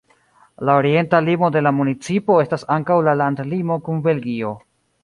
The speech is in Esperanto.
La orienta limo de la municipo estas ankaŭ la landlimo kun Belgio.